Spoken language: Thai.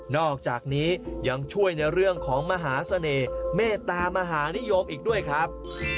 อกจากนี้ยังช่วยในเรื่องของมหาเสน่ห์เมตตามหานิยมอีกด้วยครับ